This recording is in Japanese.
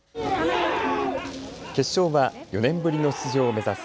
決勝は４年ぶりの出場を目指す